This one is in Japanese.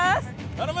頼む！